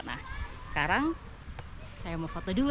nah sekarang saya mau foto dulu